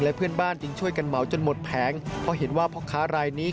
เหมาจนหมดแผงเพราะเห็นว่าพ่อค้ารายนี้